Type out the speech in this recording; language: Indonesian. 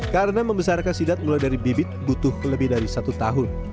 karena membesarkan sidap mulai dari bibit butuh lebih dari satu tahun